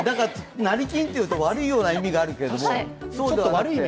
成金というと悪いようなイメージがあるけれども。